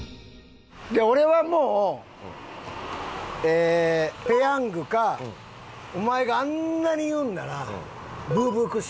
俺はもうペヤングかお前があんなに言うんならブーブークッション。